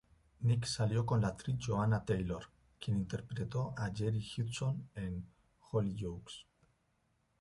Nick salió con la actriz Joanna Taylor, quien interpretó a Geri Hudson en Hollyoaks.